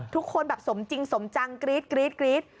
ทุกคนแบบสมจริงสมจังกรี๊ด